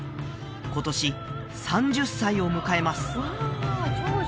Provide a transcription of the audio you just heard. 今年３０歳を迎えます